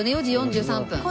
４時４３分。